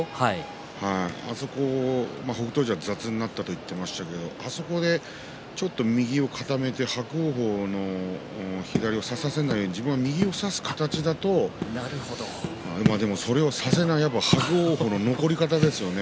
あそこを北勝富士は雑になったと言っていましたがあそこでちょっと右を固めて伯桜鵬の左を差させないように自分が右を差す形だとただ、それをさせない伯桜鵬の残り方ですよね。